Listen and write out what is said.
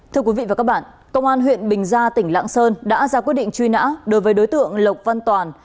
thưa quý vị và các bạn công an huyện bình gia tỉnh lạng sơn đã ra quyết định truy nã đối với đối tượng lộc văn toàn